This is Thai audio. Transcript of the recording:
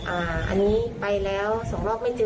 อ่าอันนี้ไปแล้วสองโรคไม่เจอ